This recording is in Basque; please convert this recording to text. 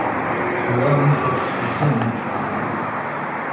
Kalean uso, etxean otso.